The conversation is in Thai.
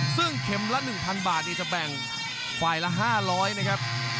ซึ่งเข็มละ๑๐๐บาทจะแบ่งฝ่ายละ๕๐๐นะครับ